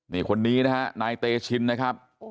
นี่คนนี้นะฮะนายเตชินนะครับ